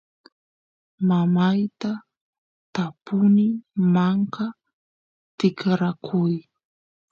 mamayta tapuni manka tikrakuy